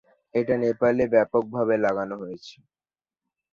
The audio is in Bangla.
এটা নেপালে ব্যাপক ভাবে লাগানো হয়েছে।